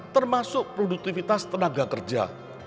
termasuk produktivitas tenaga kerja